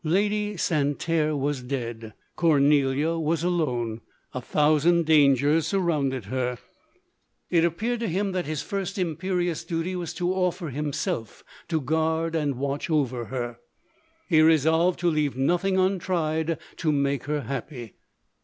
Lady San terre was dead — Cornelia was alone. A thou sand dangers surrounded her. It appeared to 246 LODORE. him that his first imperious duty was to offer himself to guard and watch over her. He re solved to leave nothing untried to make her happy.